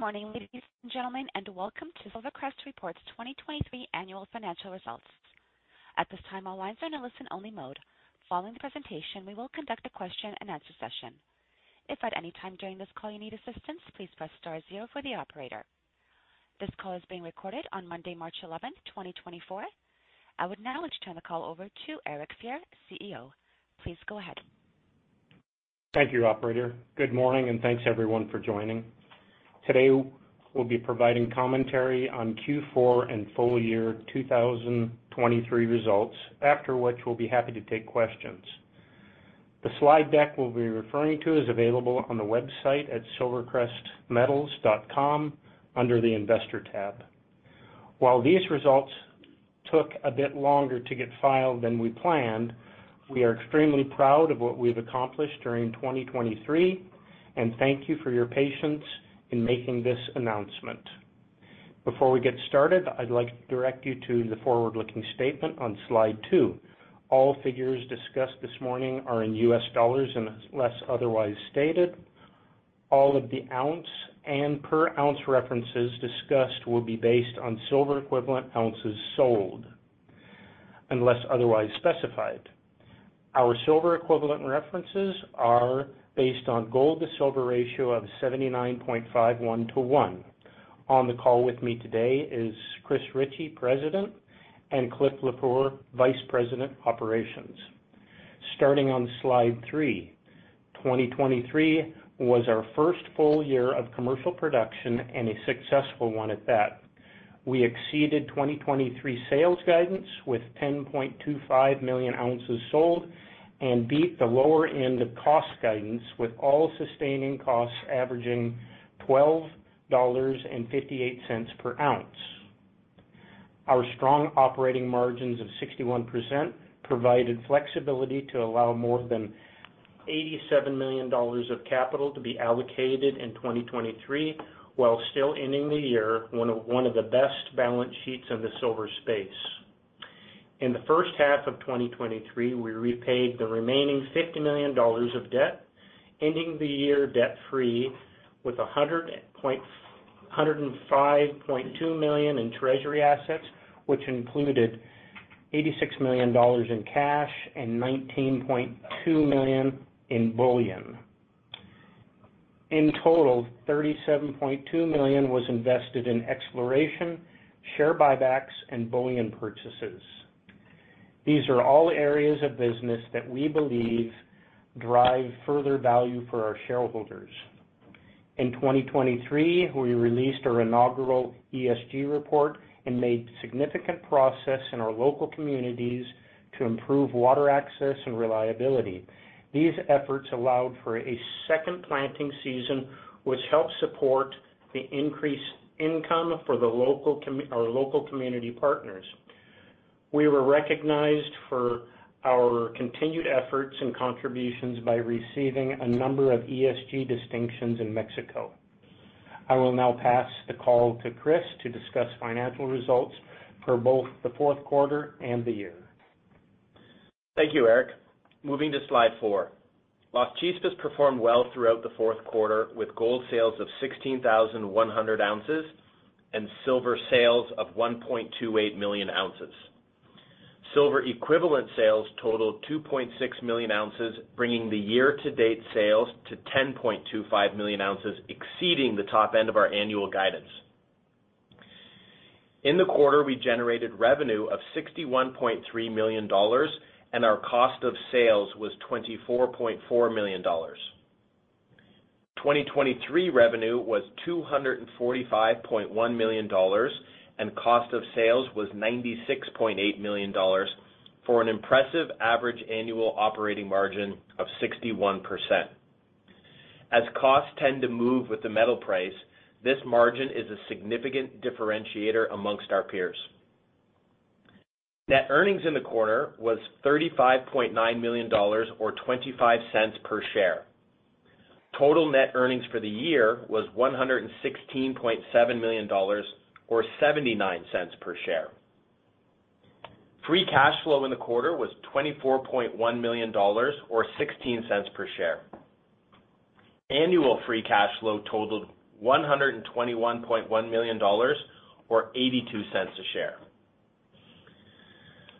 Good morning, ladies and gentlemen, and welcome to SilverCrest Reports' 2023 annual financial results. At this time, all lines are in a listen-only mode. Following the presentation, we will conduct a question-and-answer session. If at any time during this call you need assistance, please press star zero for the operator. This call is being recorded on Monday, March 11th, 2024. I would now like to turn the call over to Eric Fier, CEO. Please go ahead. Thank you, operator. Good morning, and thanks, everyone, for joining. Today we'll be providing commentary on Q4 and full year 2023 results, after which we'll be happy to take questions. The slide deck we'll be referring to is available on the website at silvercrestmetals.com under the Investor tab. While these results took a bit longer to get filed than we planned, we are extremely proud of what we've accomplished during 2023, and thank you for your patience in making this announcement. Before we get started, I'd like to direct you to the forward-looking statement on slide two. All figures discussed this morning are in U.S. dollars unless otherwise stated. All of the ounce and per-ounce references discussed will be based on silver equivalent ounces sold, unless otherwise specified. Our silver equivalent references are based on gold-to-silver ratio of 79.51 to 1. On the call with me today is Chris Ritchie, president, and Clifford Lafleur, vice president operations. Starting on slide 3, 2023 was our first full year of commercial production, and a successful one at that. We exceeded 2023 sales guidance with 10.25 million ounces sold and beat the lower end of cost guidance with all sustaining costs averaging $12.58 per ounce. Our strong operating margins of 61% provided flexibility to allow more than $87 million of capital to be allocated in 2023 while still ending the year one of the best balance sheets in the silver space. In the first half of 2023, we repaid the remaining $50 million of debt, ending the year debt-free with $105.2 million in treasury assets, which included $86 million in cash and $19.2 million in bullion. In total, $37.2 million was invested in exploration, share buybacks, and bullion purchases. These are all areas of business that we believe drive further value for our shareholders. In 2023, we released our inaugural ESG report and made significant progress in our local communities to improve water access and reliability. These efforts allowed for a second planting season, which helped support the increased income for our local community partners. We were recognized for our continued efforts and contributions by receiving a number of ESG distinctions in Mexico. I will now pass the call to Chris to discuss financial results for both the fourth quarter and the year. Thank you, Eric. Moving to slide 4. Las Chispas performed well throughout the fourth quarter with gold sales of 16,100 ounces and silver sales of 1.28 million ounces. Silver equivalent sales totaled 2.6 million ounces, bringing the year-to-date sales to 10.25 million ounces, exceeding the top end of our annual guidance. In the quarter, we generated revenue of $61.3 million, and our cost of sales was $24.4 million. 2023 revenue was $245.1 million, and cost of sales was $96.8 million, for an impressive average annual operating margin of 61%. As costs tend to move with the metal price, this margin is a significant differentiator among our peers. Net earnings in the quarter was $35.9 million or $0.25 per share. Total net earnings for the year was $116.7 million or $0.79 per share. Free cash flow in the quarter was $24.1 million or $0.16 per share. Annual free cash flow totaled $121.1 million or $0.82 a share.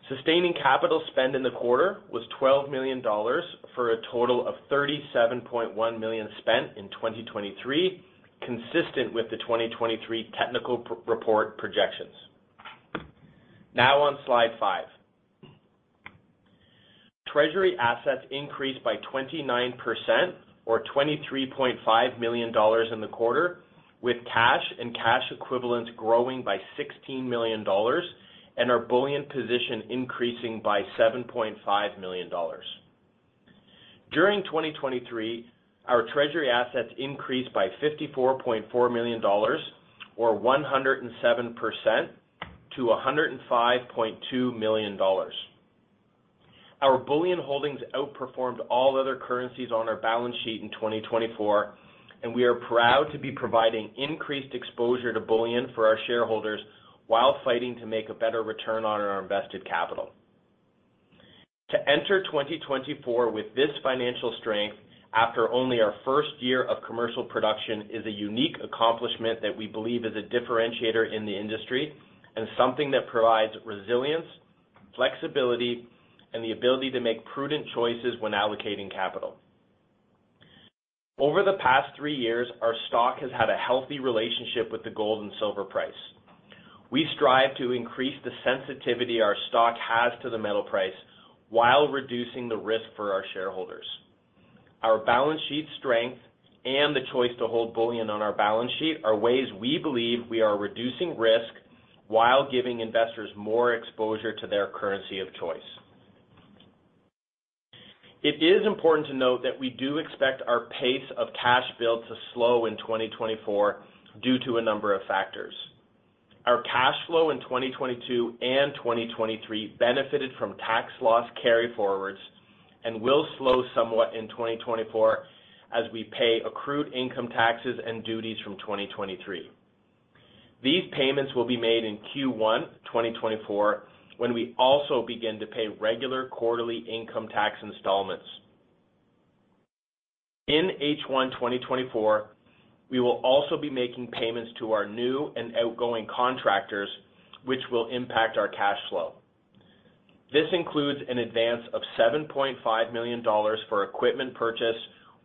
Sustaining capital spend in the quarter was $12 million, for a total of $37.1 million spent in 2023, consistent with the 2023 technical report projections. Now on slide five. Treasury assets increased by 29% or $23.5 million in the quarter, with cash and cash equivalents growing by $16 million and our bullion position increasing by $7.5 million. During 2023, our treasury assets increased by $54.4 million or 107% to $105.2 million. Our bullion holdings outperformed all other currencies on our balance sheet in 2024, and we are proud to be providing increased exposure to bullion for our shareholders while fighting to make a better return on our invested capital. To enter 2024 with this financial strength, after only our first year of commercial production, is a unique accomplishment that we believe is a differentiator in the industry and something that provides resilience, flexibility, and the ability to make prudent choices when allocating capital. Over the past three years, our stock has had a healthy relationship with the gold and silver price. We strive to increase the sensitivity our stock has to the metal price while reducing the risk for our shareholders. Our balance sheet strength and the choice to hold bullion on our balance sheet are ways we believe we are reducing risk while giving investors more exposure to their currency of choice. It is important to note that we do expect our pace of cash build to slow in 2024 due to a number of factors. Our cash flow in 2022 and 2023 benefited from tax loss carry-forwards and will slow somewhat in 2024 as we pay accrued income taxes and duties from 2023. These payments will be made in Q1 2024 when we also begin to pay regular quarterly income tax installments. In H1 2024, we will also be making payments to our new and outgoing contractors, which will impact our cash flow. This includes an advance of $7.5 million for equipment purchase,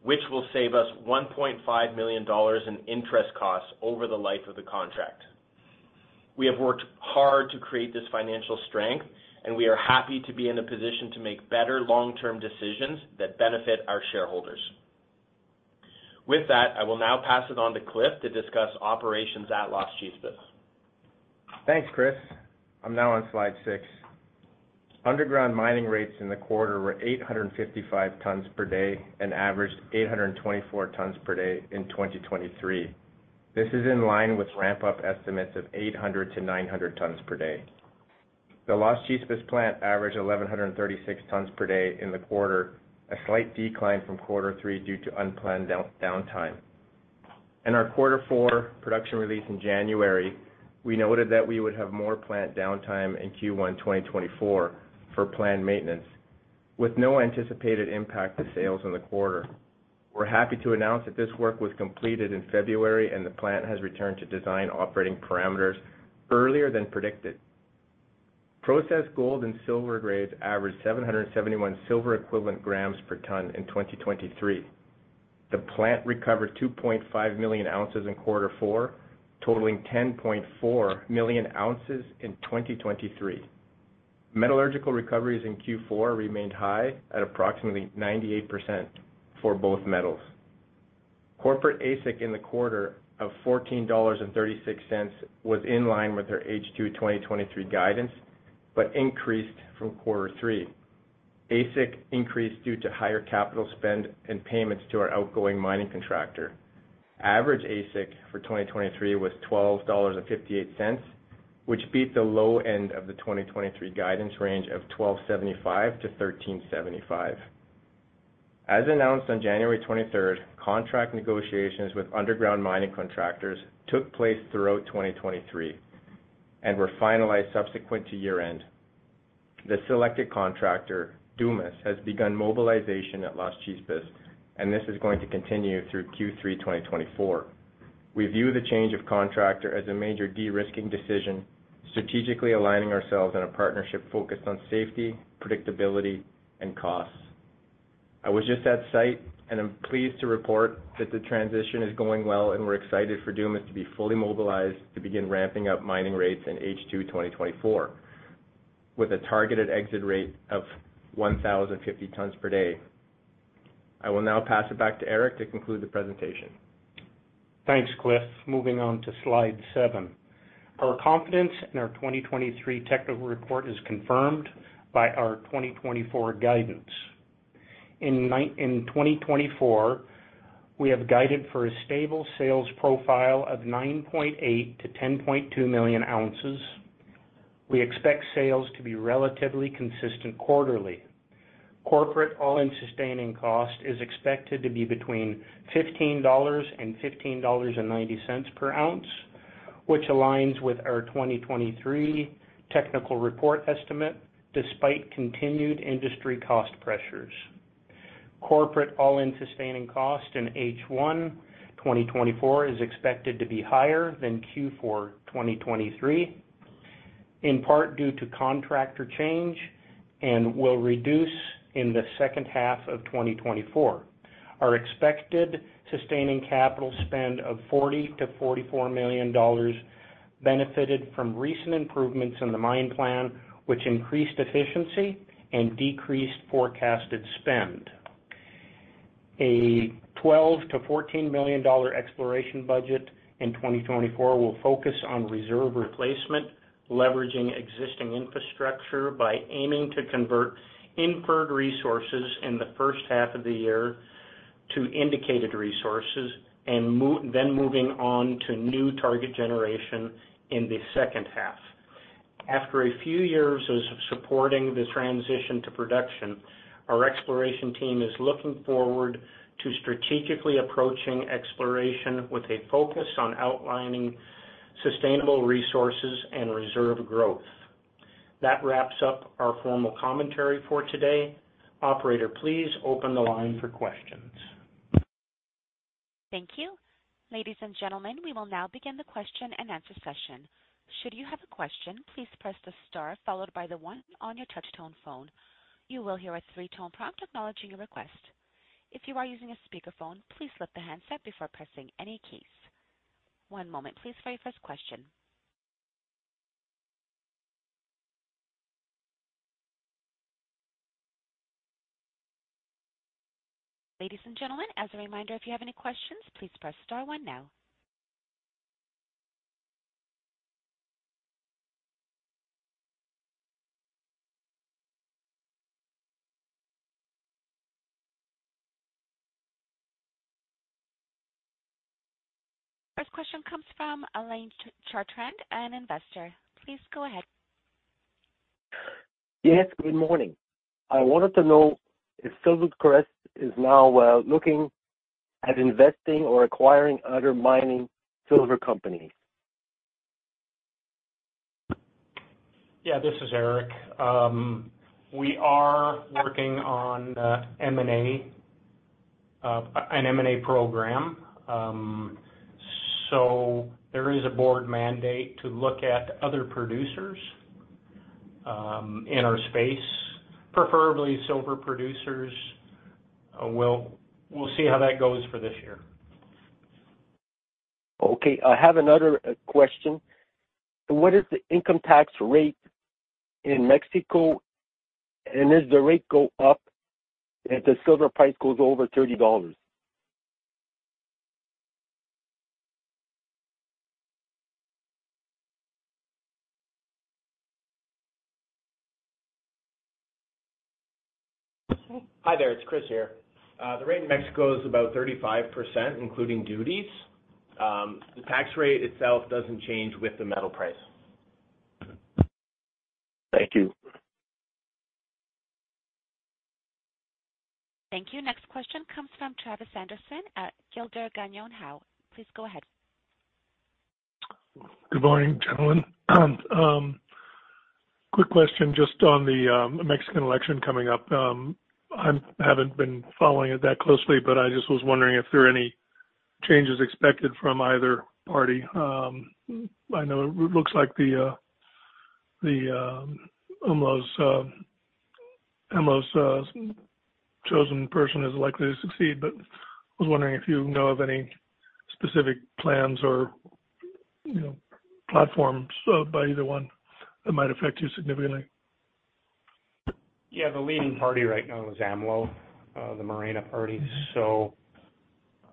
which will save us $1.5 million in interest costs over the life of the contract. We have worked hard to create this financial strength, and we are happy to be in a position to make better long-term decisions that benefit our shareholders. With that, I will now pass it on to Cliff to discuss operations at Las Chispas. Thanks, Chris. I'm now on slide 6. Underground mining rates in the quarter were 855 tons per day and averaged 824 tons per day in 2023. This is in line with ramp-up estimates of 800-900 tons per day. The Las Chispas plant averaged 1,136 tons per day in the quarter, a slight decline from quarter three due to unplanned downtime. In our quarter four production release in January, we noted that we would have more plant downtime in Q1 2024 for planned maintenance, with no anticipated impact to sales in the quarter. We're happy to announce that this work was completed in February and the plant has returned to design operating parameters earlier than predicted. Processed gold and silver grades averaged 771 silver equivalent grams per ton in 2023. The plant recovered 2.5 million ounces in quarter four, totaling 10.4 million ounces in 2023. Metallurgical recoveries in Q4 remained high at approximately 98% for both metals. Corporate AISC in the quarter of $14.36 was in line with our H2 2023 guidance but increased from quarter three. AISC increased due to higher capital spend and payments to our outgoing mining contractor. Average AISC for 2023 was $12.58, which beat the low end of the 2023 guidance range of $1,275-$1,375. As announced on January 23rd, contract negotiations with underground mining contractors took place throughout 2023 and were finalized subsequent to year-end. The selected contractor, Dumas, has begun mobilization at Las Chispas, and this is going to continue through Q3 2024. We view the change of contractor as a major de-risking decision, strategically aligning ourselves on a partnership focused on safety, predictability, and costs. I was just at site, and I'm pleased to report that the transition is going well, and we're excited for Dumas to be fully mobilized to begin ramping up mining rates in H2 2024 with a targeted exit rate of 1,050 tons per day. I will now pass it back to Eric to conclude the presentation. Thanks, Cliff. Moving on to slide seven. Our confidence in our 2023 technical report is confirmed by our 2024 guidance. In 2024, we have guided for a stable sales profile of 9.8-10.2 million ounces. We expect sales to be relatively consistent quarterly. Corporate all-in sustaining cost is expected to be between $15 and $15.90 per ounce, which aligns with our 2023 technical report estimate despite continued industry cost pressures. Corporate all-in sustaining cost in H1 2024 is expected to be higher than Q4 2023, in part due to contractor change and will reduce in the second half of 2024. Our expected sustaining capital spend of $40-$44 million benefited from recent improvements in the mine plan, which increased efficiency and decreased forecasted spend. A $12-$14 million exploration budget in 2024 will focus on reserve replacement, leveraging existing infrastructure by aiming to convert inferred resources in the first half of the year to indicated resources, and then moving on to new target generation in the second half. After a few years of supporting the transition to production, our exploration team is looking forward to strategically approaching exploration with a focus on outlining sustainable resources and reserve growth. That wraps up our formal commentary for today. Operator, please open the line for questions. Thank you. Ladies and gentlemen, we will now begin the question and answer session. Should you have a question, please press the star followed by the one on your touchtone phone. You will hear a three-tone prompt acknowledging your request. If you are using a speakerphone, please lift the handset before pressing any keys. One moment, please, for your first question. Ladies and gentlemen, as a reminder, if you have any questions, please press star one now. First question comes from Elaine Chartrand, an investor. Please go ahead. Yes, good morning. I wanted to know if SilverCrest is now, looking at investing or acquiring other mining silver companies? Yeah, this is Eric. We are working on M&A, an M&A program. So there is a board mandate to look at other producers in our space, preferably silver producers. We'll see how that goes for this year. Okay. I have another question. What is the income tax rate in Mexico, and does the rate go up if the silver price goes over $30? Hi there. It's Chris here. The rate in Mexico is about 35%, including duties. The tax rate itself doesn't change with the metal price. Thank you. Thank you. Next question comes from Travis Anderson at Gilder Gagnon Howe. Please go ahead. Good morning, gentlemen. Quick question just on the Mexican election coming up. I haven't been following it that closely, but I just was wondering if there are any changes expected from either party. I know it looks like the AMLO's chosen person is likely to succeed, but I was wondering if you know of any specific plans or, you know, platforms by either one that might affect you significantly. Yeah, the leading party right now is AMLO, the Morena party. So,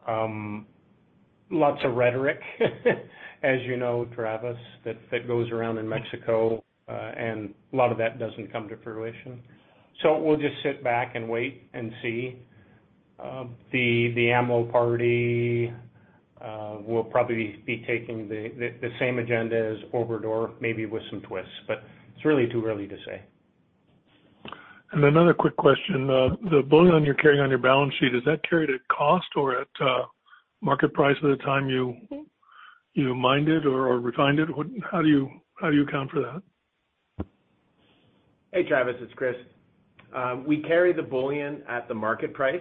lots of rhetoric, as you know, Travis, that goes around in Mexico, and a lot of that doesn't come to fruition. So we'll just sit back and wait and see. The AMLO party will probably be taking the same agenda as Obrador, maybe with some twists, but it's really too early to say. Another quick question. The bullion you're carrying on your balance sheet, is that carried at cost or at market price at the time you mined it or refined it? What, how do you account for that? Hey, Travis. It's Chris. We carry the bullion at the market price.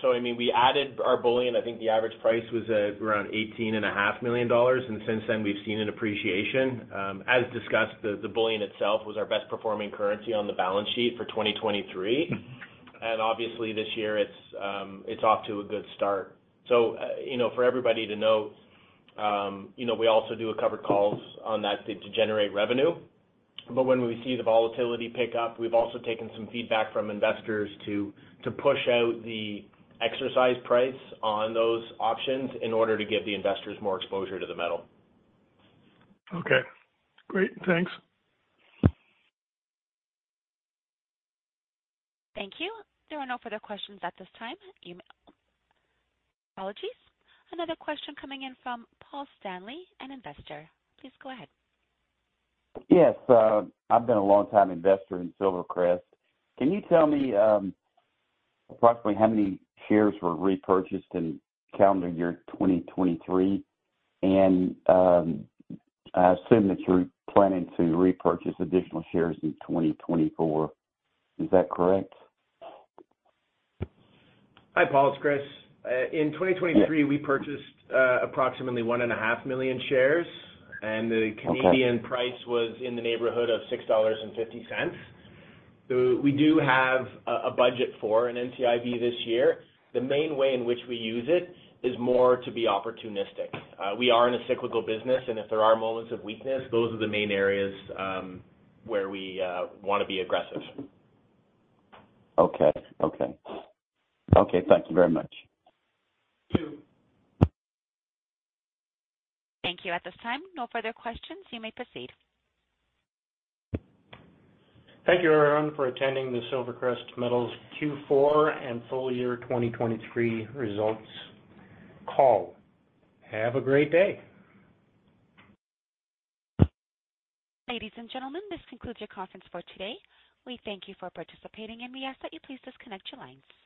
So, I mean, we added our bullion. I think the average price was around $18.5 million, and since then, we've seen an appreciation. As discussed, the bullion itself was our best-performing currency on the balance sheet for 2023. And obviously, this year, it's off to a good start. So, you know, for everybody to note, you know, we also do a covered call on that to generate revenue. But when we see the volatility pick up, we've also taken some feedback from investors to push out the exercise price on those options in order to give the investors more exposure to the metal. Okay. Great. Thanks. Thank you. There are no further questions at this time. Your apologies. Another question coming in from Paul Stanley, an investor. Please go ahead. Yes. I've been a long-time investor in SilverCrest. Can you tell me, approximately how many shares were repurchased in calendar year 2023? And, I assume that you're planning to repurchase additional shares in 2024. Is that correct? Hi, Paul. It's Chris. In 2023, we purchased approximately 1.5 million shares, and the Canadian price was in the neighborhood of 6.50 dollars. So we do have a budget for an NCIB this year. The main way in which we use it is more to be opportunistic. We are in a cyclical business, and if there are moments of weakness, those are the main areas where we want to be aggressive. Okay. Okay. Okay. Thank you very much. You too. Thank you. At this time, no further questions. You may proceed. Thank you, everyone, for attending the SilverCrest Metals Q4 and full year 2023 results call. Have a great day. Ladies and gentlemen, this concludes your conference for today. We thank you for participating, and we ask that you please disconnect your lines.